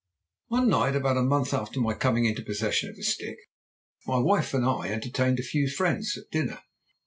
"One night, about a month after my coming into possession of the stick, my wife and I entertained a few friends at dinner.